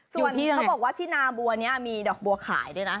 ส่วนที่เขาบอกว่าที่นาบัวนี้มีดอกบัวขายด้วยนะ